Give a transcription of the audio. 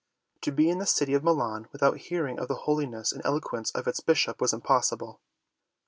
To be in the city of Milan without hearing of the holiness and eloquence of its Bishop was impossible.